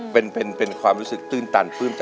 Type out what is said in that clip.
เป็นความรู้สึกตื่นตัน